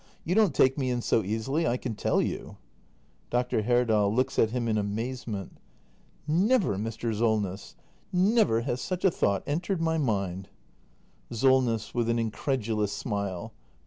You don't take me in so easily, I can tell you. Dr. Herdal. [Looks at him in amazement.] Never, Mr. Solness — never has such a thought entered my mind. Solness. [With an incredulous smile.